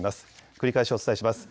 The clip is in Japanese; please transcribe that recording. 繰り返しお伝えします。